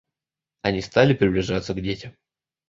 Они стали приближаться к детям.